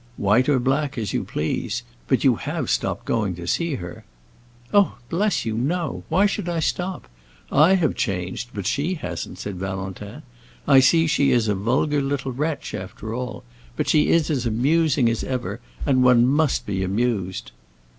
"White or black, as you please. But you have stopped going to see her?" "Oh, bless you, no. Why should I stop? I have changed, but she hasn't," said Valentin. "I see she is a vulgar little wretch, after all. But she is as amusing as ever, and one must be amused."